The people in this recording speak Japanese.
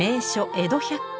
江戸百景